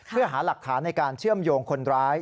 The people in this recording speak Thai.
เพื่อหาหลักฐานในการเชื่อมโยงคนร้าย